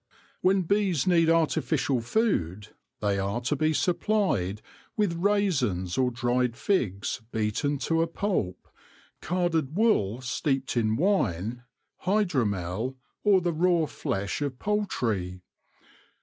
When bees need artificial food, they are to be supplied with raisins or dried figs beaten to a pulp, carded wool steeped in wine, hydromel, or the raw flesh of poultry.